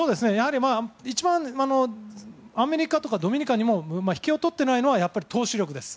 一番アメリカとかドミニカにも引けを取っていないのは投手力です。